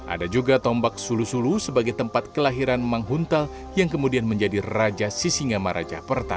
ada juga tombak sulu sulu sebagai tempat kelahiran mang huntal yang kemudian menjadi raja sisinga maraja pertama